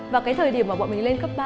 và cái thời điểm mà bọn mình lên cấp ba